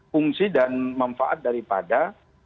fungsi dan manfaat daripada